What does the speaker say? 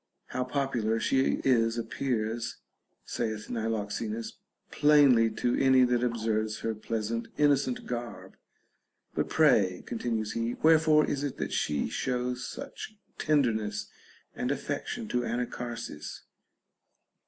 How popular she is appears, saith Niloxenus, plain ly to any that observes her pleasant innocent garb. But pray, continues he, wherefore is it that she shows such tenderness and affection to Anacharsis?